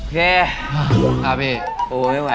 โปรดติดตามตอนต่อไป